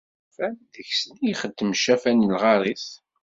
Iceṛfan, deg-sen i ixeddem ccafan lɣar-is.